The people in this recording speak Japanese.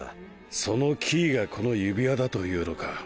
そのキーがこの指輪だというのか。